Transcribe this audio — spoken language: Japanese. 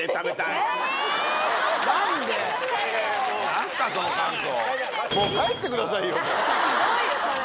何すかその感想。